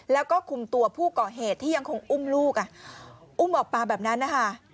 แล้วก็คุมตัวผู้ก่อเหตุที่ยังคงอุ้มลูกอุ้มออกมาแบบนั้นนะคะ